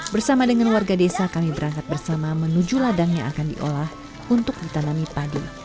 bersama dengan warga desa kami berangkat bersama menuju ladang yang akan diolah untuk ditanami padu